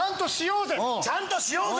ちゃんとしようぜ！